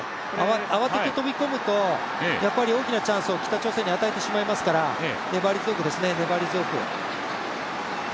慌てて飛び込むと、大きなチャンスを北朝鮮に与えてしまいますから粘り強くですね、粘り強く。